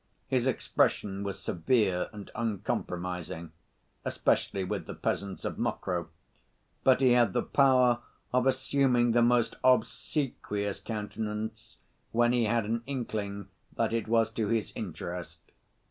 His expression was severe and uncompromising, especially with the peasants of Mokroe, but he had the power of assuming the most obsequious countenance, when he had an inkling that it was to his interest.